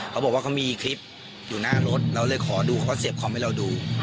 เขาบอกว่าเขามีคลิปอยู่หน้ารถเราเลยขอดูเขาก็เสียบคอมให้เราดู